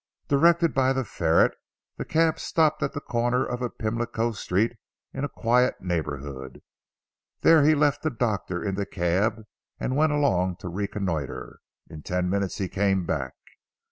Directed by the ferret, the cab stopped at the corner of a Pimlico street in a quiet neighbourhood. There he left the doctor in the cab, and went along to reconnoitre. In ten minutes he came back.